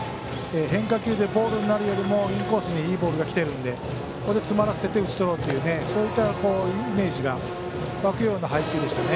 変化球でボールになるよりもインコースにいいボールがきているのでここで詰まらせて打ち取ろうというそういったイメージが。